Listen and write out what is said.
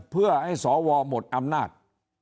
เพื่อให้สวหมดอำนาจ